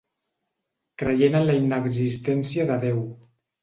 Creient en la inexistència de Déu.